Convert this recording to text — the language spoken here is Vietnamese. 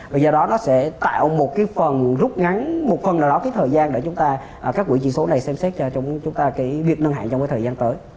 và do đó nó sẽ tạo một cái phần rút ngắn một phần nào đó cái thời gian để chúng ta các quỹ chỉ số này xem xét cho chúng ta cái việc nâng hạn trong cái thời gian tới